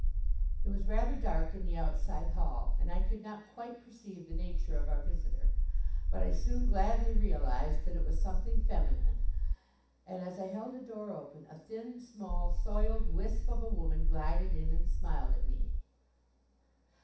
It was rather dark in the outside hall, and I could not quite perceive the nature of our visitor. But I soon gladly realized that it was something feminine, and as I held the door open, a thin, small, soiled wisp of a woman glided in and smiled at me.